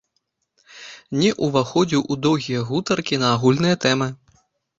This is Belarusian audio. Не ўваходзіў у доўгія гутаркі на агульныя тэмы.